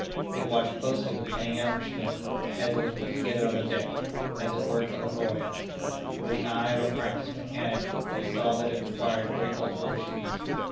He had watched closely the paying out machine, as it was put together on the deck, and as it worked on the voyage, and with the eye of a practised mechanic, he saw that it required great alterations.